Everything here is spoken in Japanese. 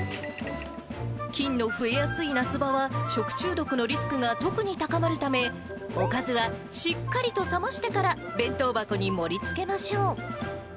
菌の増えやすい夏場は食中毒のリスクが特に高まるため、おかずはしっかりと冷ましてから、弁当箱に盛りつけましょう。